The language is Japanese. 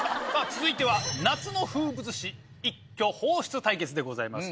続いては夏の風物詩一挙放出対決でございます。